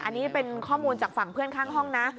อันนี้เป็นข้อมูลจากฝั่งเพื่อนข้างห้องนะ